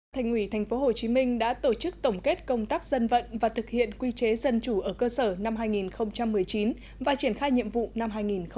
thành ủy tp hcm đã tổ chức tổng kết công tác dân vận và thực hiện quy chế dân chủ ở cơ sở năm hai nghìn một mươi chín và triển khai nhiệm vụ năm hai nghìn hai mươi